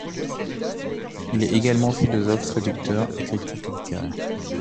Il est également philosophe, traducteur et critique littéraire.